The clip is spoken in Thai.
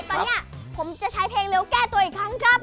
ตอนนี้ผมจะใช้เพลงเร็วแก้ตัวอีกครั้งครับ